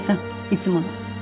いつもの。